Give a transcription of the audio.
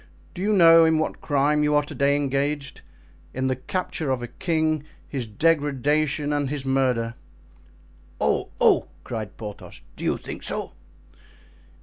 Do you know in what crime you are to day engaged? In the capture of a king, his degradation and his murder." "Oh! oh!" cried Porthos, "do you think so?"